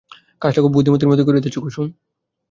কাজটা খুব বুদ্ধিমতীর মতোই করিতেছে কুসুম।